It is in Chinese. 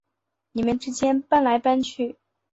你们之前搬来搬去